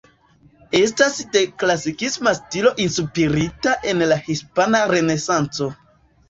Estas de klasikisma stilo inspirita en la Hispana Renesanco.